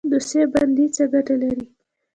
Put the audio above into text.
دوسیه بندي څه ګټه لري؟